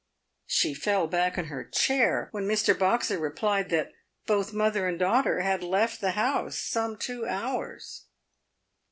She fell back in her chair when Mr. Boxer replied that both mother and daughter had left the house some two hours.